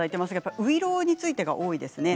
ういろうについてが多いですね。